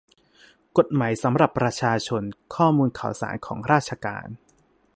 กฎหมายสำหรับประชาชน : ข้อมูลข่าวสารของราชการ